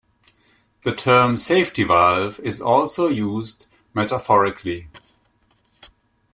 The term "safety valve" is also used metaphorically.